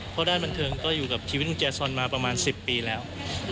เพราะด้านบันเทิงก็อยู่อยู่กับชีวิตงแจสอนประมาณสิบปีแล้ว